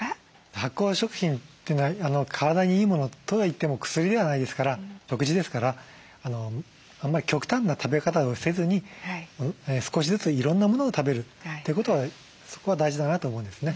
発酵食品って体にいいものとはいっても薬ではないですから食事ですからあんまり極端な食べ方をせずに少しずついろんなものを食べるということはそこは大事だなと思うんですね。